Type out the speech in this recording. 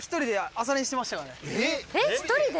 えっ１人で？